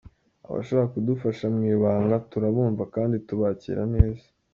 Abashaka kudufasha mu ibanga turabumva, kandi tubakira neza.